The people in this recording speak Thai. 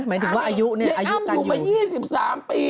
หมายถึงว่าอายุกันอยู่ยายอ้ำอยู่มา๒๓ปี